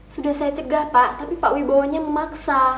sudah saya cegah pak tapi pak wibowo nya memaksa